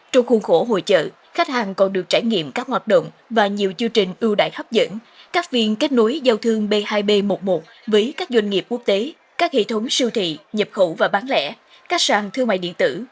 trong khuôn khổ hội chợ khách hàng còn được trải nghiệm các hoạt động và nhiều chương trình ưu đại hấp dẫn các viên kết nối giao thương b hai b một mươi một với các doanh nghiệp quốc tế các hệ thống siêu thị nhập khẩu và bán lẻ các sàn thương mại điện tử